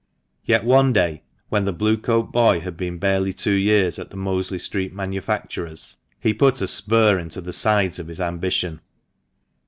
Yet one day when the Blue coat boy had been barely two years at the Mosley Street manufacturer's, he put a spur into the sides of his ambition.